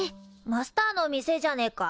マスターの店じゃねえか。